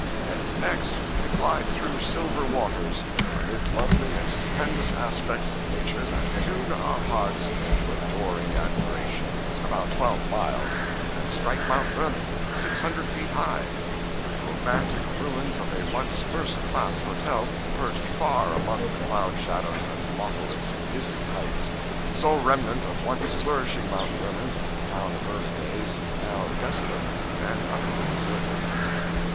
'And next we glide through silver waters, amid lovely and stupendous aspects of nature that attune our hearts to adoring admiration, about twelve miles, and strike Mount Vernon, six hundred feet high, with romantic ruins of a once first class hotel perched far among the cloud shadows that mottle its dizzy heights sole remnant of once flourishing Mount Vernon, town of early days, now desolate and utterly deserted.